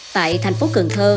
tại thành phố cường thơ